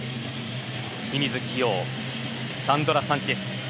清水希容、サンドラ・サンチェス。